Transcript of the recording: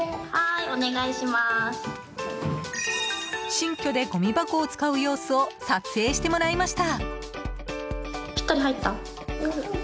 新居で、ごみ箱を使う様子を撮影してもらいました。